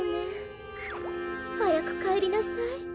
はやくかえりなさい。